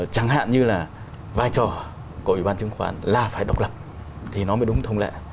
chẳng hạn như là vai trò của ủy ban chứng khoán là phải độc lập thì nó mới đúng thông lệ